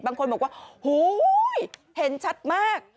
บางคนบอกว่าโหเห็นชัดมาก